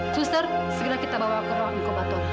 twister segera kita bawa ke ruang inkubator